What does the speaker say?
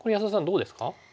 どうですか？